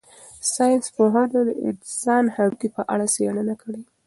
ساینس پوهانو د انسانانو د هډوکو په اړه څېړنه کړې.